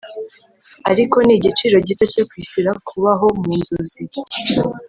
ariko ni igiciro gito cyo kwishyura kubaho mu nzozi